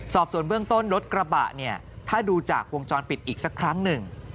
สอบส่วนเบื้องต้นรถกระบะเนี่ยถ้าดูจากวงจรปิดอีกสักครั้งหนึ่ง